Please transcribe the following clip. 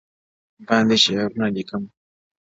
باندي شعرونه ليكم”